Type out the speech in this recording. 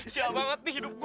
sial banget nih hidup gue